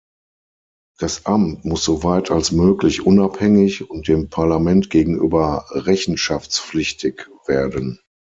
Das Amt muss so weit als möglich unabhängig und dem Parlament gegenüber rechenschaftspflichtig werden.